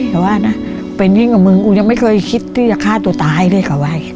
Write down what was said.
แต่ว่านะเป็นยิ่งกับมึงกูยังไม่เคยคิดที่จะฆ่าตัวตายด้วยเขาไว้